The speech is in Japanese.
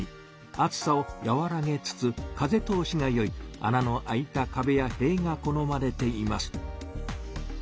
暑さを和らげつつ風通しが良いあなの開いたかべやへいが好まれています。